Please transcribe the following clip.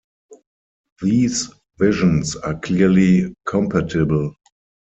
These visions are clearly compatible.